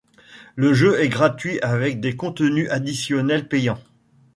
Le jeu est gratuit avec des contenus additionnels payants.